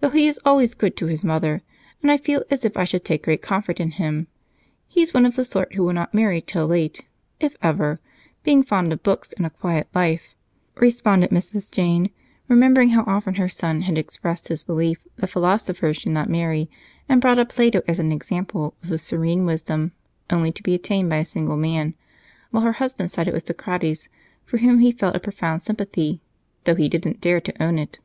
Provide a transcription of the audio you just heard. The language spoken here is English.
Though he is always good to his mother, and I feel as if I should take great comfort in him. He's one of the sort who will not marry till late, if ever, being fond of books and a quiet life," responded Mrs. Jane, remembering how often her son had expressed his belief that philosophers should not marry and brought up Plato as an example of the serene wisdom to be attained only by a single man while her husband sided with Socrates, for whom he felt a profound sympathy, though he didn't dare to own it.